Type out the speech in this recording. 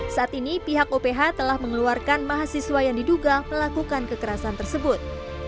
saat ini pihak oph telah mengeluarkan mahasiswa yang diduga melakukan kekerasan tersebut